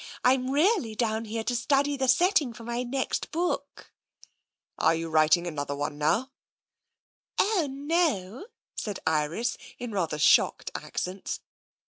I'm really down here to study the setting for my next book." " Are you writing another one now? "" Oh, no," said Iris, in rather shocked accents.